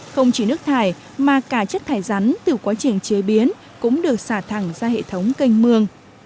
không chỉ nước thải mà cả chất thải rắn từ quá trình chế biến cũng được xả thẳng ra hệ thống canh mương